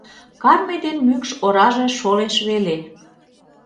Карме ден мӱкш ораже шолеш веле.